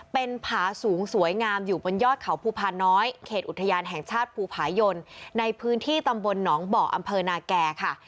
เป็นผาสูงสวยงามอยู่บนยอดเขาภูพาน้อยเขตอุทยานแห่งชาติภูผายนในพื้นที่ตำบลหนองเบาะอำเภอนาแก่ค่ะ